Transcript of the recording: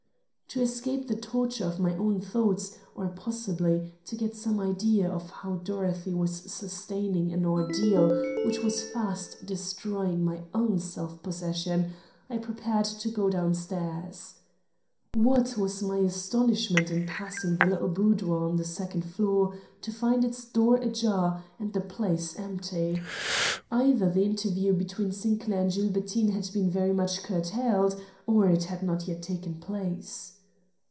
To escape the torture of my own thoughts, or, possibly, to get some idea of how Dorothy was sustaining an ordeal which was fast destroying my own self possession, I prepared to go down stairs. What was my astonishment in passing the little boudoir on the second floor, to find its door ajar and the place empty. Either the interview between Sinclair and Gilbertine had been very much curtailed, or it had not yet taken place.